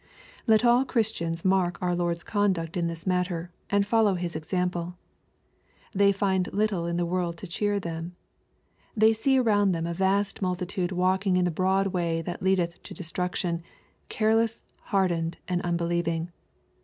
Let all Christians mark our Lord's conduct in this matter, and follow His example. They find little in the world to cheer them. They see around them a vast multitude walking in the broad way that leadeth to destruction, careless, hardened, and unbeCeving.